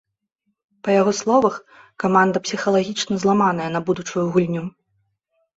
Па яго словах, каманда псіхалагічна зламаная на будучую гульню.